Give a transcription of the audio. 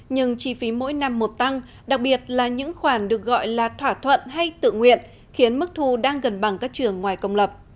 nhưng chi phí mỗi năm một tăng đặc biệt là những khoản được gọi là thỏa thuận hay tự nguyện khiến mức thu đang gần bằng các trường ngoài công lập